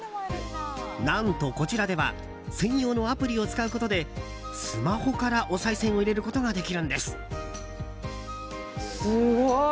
何と、こちらでは専用のアプリを使うことでスマホから、おさい銭を入れることができるんです。